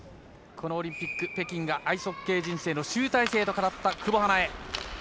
このオリンピック北京がアイスホッケー人生の集大成と語った、久保英恵。